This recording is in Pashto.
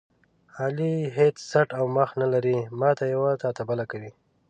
علي هېڅ څټ او مخ نه لري، ماته یوه تاته بله کوي.